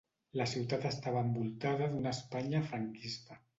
La ciutat estava envoltada d'una Espanya franquista.